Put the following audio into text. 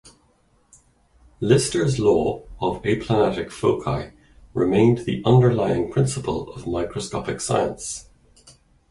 Lister's law of aplanatic foci remained the underlying principle of microscopic science.